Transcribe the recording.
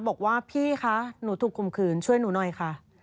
บอกว่าพี่คะหนูถูกข่มขืนช่วยหนูหน่อยค่ะ